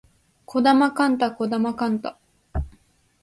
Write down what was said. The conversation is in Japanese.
児玉幹太児玉幹太